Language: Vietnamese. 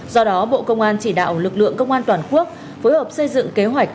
do đó bộ công an chỉ đạo lực lượng công an toàn quốc phối hợp xây dựng kế hoạch